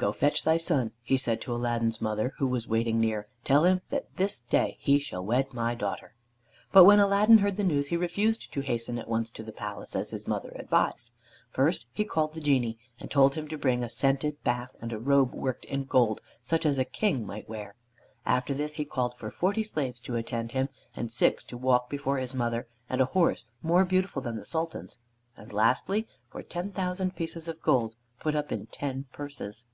"Go, fetch thy son," he said to Aladdin's mother, who was waiting near. "Tell him that this day he shall wed my daughter." But when Aladdin heard the news he refused to hasten at once to the palace, as his mother advised. First he called the Genie, and told him to bring a scented bath, and a robe worked in gold, such as a King might wear. After this he called for forty slaves to attend him, and six to walk before his mother, and a horse more beautiful than the Sultan's, and lastly, for ten thousand pieces of gold put up in ten purses.